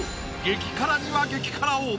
激辛には激辛を！